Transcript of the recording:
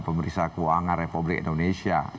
pemeriksa keuangan republik indonesia